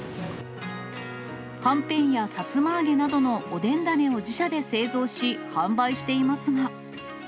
はんぺんやさつま揚げなどのおでん種を自社で製造し、販売していますが。